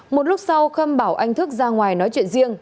một lúc sau khâm bảo anh thức ra ngoài nói chuyện riêng